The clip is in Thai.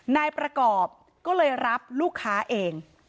นายประกอบก็เลยรับลูกค้าเอง